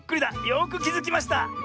よくきづきました！